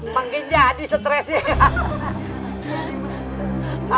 makin jadi stresnya